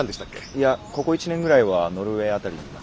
いやここ１年ぐらいはノルウェー辺りにいますね。